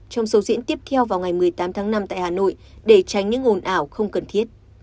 trong số diễn tiếp theo vào ngày một mươi tám tháng năm tại hà nội để tránh những ồn ào không cần thiết